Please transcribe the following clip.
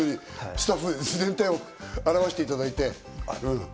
スタッフ全体を表していただいて。